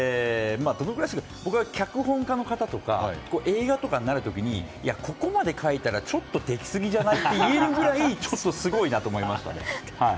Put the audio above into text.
僕は脚本家の方とか映画とかを見るときにここまで書いたらちょっとできすぎじゃない？といえるぐらいちょっとすごいなと思いました。